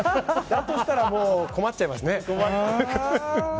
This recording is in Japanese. だとしたらもう困っちゃいますね。